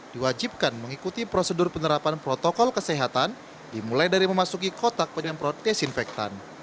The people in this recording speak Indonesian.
diwajibkan mengikuti prosedur penerapan protokol kesehatan dimulai dari memasuki kotak penyemprot desinfektan